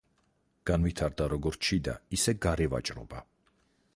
განვითარდა, როგორც შიდა, ისე გარე ვაჭრობა.